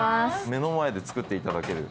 目の前で作っていただける。